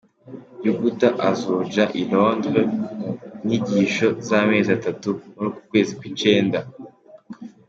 Yuguda azoja i Londres mu nyigisho zamezi atatu muri uku kwezi kw'icenda.